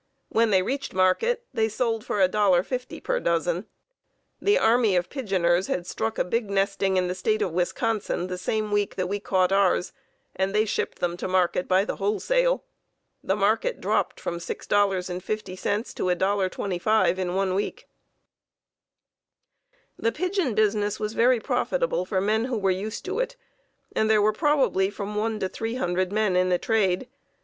When they reached market they sold for $1.50 per dozen. The army of pigeoners had struck a big nesting in the State of Wisconsin the same week we caught ours, and they shipped them to market by the wholesale. The market dropped from $6.50 to $1.25 in one week. The pigeon business was very profitable for men who were used to it, and there were probably from one to three hundred men in the trade.